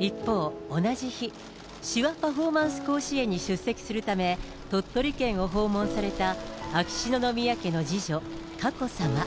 一方、同じ日、手話パフォーマンス甲子園に出席するため、鳥取県を訪問された秋篠宮家の次女、佳子さま。